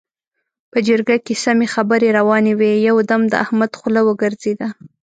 په جرګه کې سمې خبرې روانې وې؛ يو دم د احمد خوله وګرځېده.